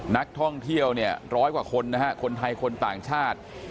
นักท่องเที่ยวเนี่ยร้อยกว่าคนนะฮะคนไทยคนต่างชาติ